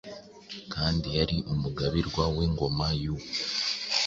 kandi yari umugabirwa w’ingoma y’u